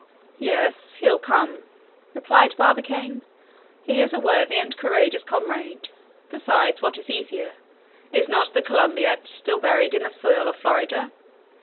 "Yes, he'll come," replied Barbicane; "he is a worthy and a courageous comrade. Besides, what is easier? Is not the Columbiad still buried in the soil of Florida?